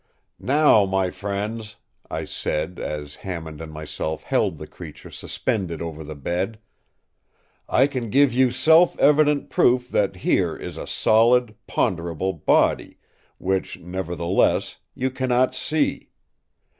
“Now, my friends,” I said, as Hammond and myself held the creature suspended over the bed, “I can give you self evident proof that here is a solid, ponderable body, which, nevertheless, you cannot see.